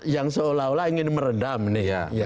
yang seolah olah ingin meredam nih ya